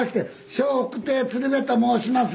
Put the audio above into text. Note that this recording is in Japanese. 笑福亭鶴瓶と申します。